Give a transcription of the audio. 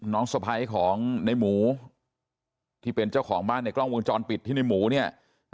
ไม่เขามาแล้วมาเจอพี่เลย